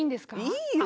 いいよ。